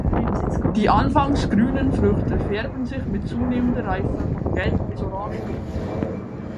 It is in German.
Die anfangs grünen Früchte färben sich mit zunehmender Reife von gelb bis orangerot.